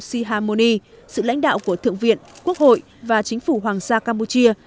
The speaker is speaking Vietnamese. sihamoni sự lãnh đạo của thượng viện quốc hội và chính phủ hoàng gia campuchia